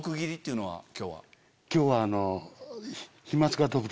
今日は。